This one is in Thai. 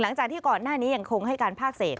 หลังจากที่ก่อนหน้านี้ยังคงให้การภาคเศษ